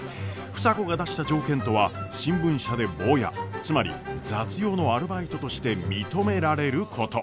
房子が出した条件とは新聞社でボーヤつまり雑用のアルバイトとして認められること。